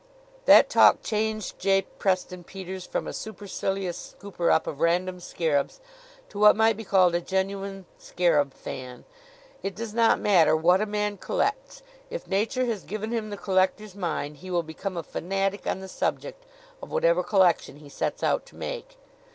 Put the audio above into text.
That talk changed J. Preston Peters from a supercilious scooper up of random scarabs to what might be called a genuine scarab fan. It does not matter what a man collects; if Nature has given him the collector's mind he will become a fanatic on the subject of whatever collection he sets out to make.